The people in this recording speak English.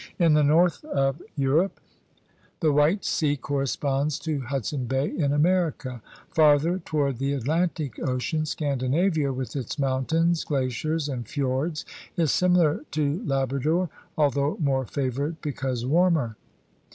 In the north of Eu rope the White Sea corresponds to Hudson Bay in America. Farther toward the Atlantic Ocean Scandinavia with its mountains, glaciers, and fiords is similar to Labrador, although more favored because warmer.